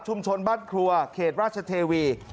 ชุมชนบ้านครัวเขตราชเทวี